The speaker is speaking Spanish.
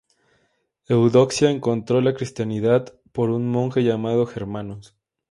Eudoxia encontró la cristiandad por un monje llamado Germanos.